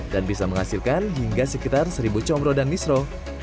dan bisa menghasilkan hingga sekitar seribu combro dan misro